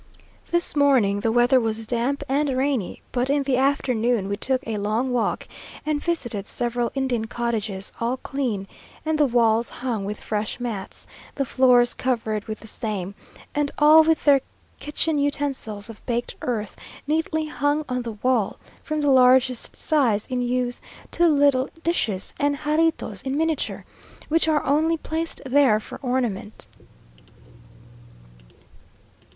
This morning, the weather was damp and rainy, but in the afternoon we took a long walk, and visited several Indian cottages, all clean, and the walls hung with fresh mats, the floors covered with the same; and all with their kitchen utensils of baked earth, neatly hung on the wall, from the largest size in use, to little dishes and jarritos in miniature, which are only placed there for ornament.